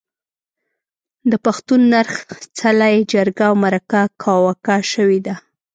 د پښتون نرخ، څلی، جرګه او مرکه کاواکه شوې ده.